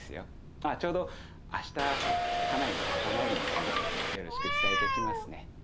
ああちょうど明日家内のお墓参りに行くんでよろしく伝えておきますね。